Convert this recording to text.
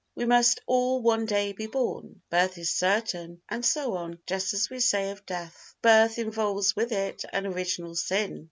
"We must all one day be born," "Birth is certain" and so on, just as we say of death. Birth involves with it an original sin.